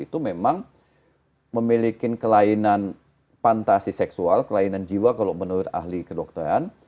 itu memang memiliki kelainan fantasi seksual kelainan jiwa kalau menurut ahli kedokteran